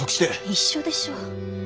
一緒でしょ。